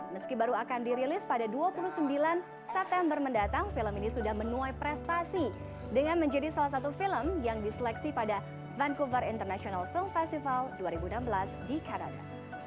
meski baru akan dirilis pada dua puluh sembilan september mendatang film ini sudah menuai prestasi dengan menjadi salah satu film yang diseleksi pada vancouver international film festival dua ribu enam belas di kanada